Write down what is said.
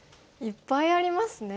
いっぱいありますね。